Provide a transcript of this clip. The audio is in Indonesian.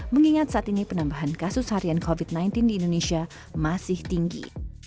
mengingat saat ini penambahan kasus harian covid sembilan belas di indonesia masih tinggi